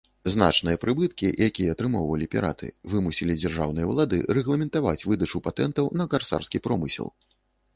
Значныя прыбыткі, якія атрымоўвалі піраты, вымусілі дзяржаўныя ўлады рэгламентаваць выдачу патэнтаў на карсарскі промысел.